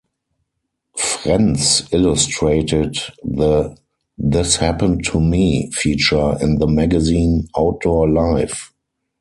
Frenz illustrated the "This Happened to Me" feature in the magazine "Outdoor Life".